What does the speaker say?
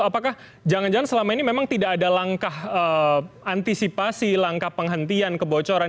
apakah jangan jangan selama ini memang tidak ada langkah antisipasi langkah penghentian kebocoran